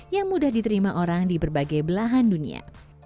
yang mudah diterima orang di berbagai belahan dunia